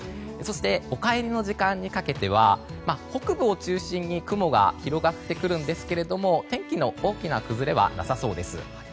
お帰りの時間にかけては北部を中心に雲が広がってくるんですけれども天気の大きな崩れはなさそうです。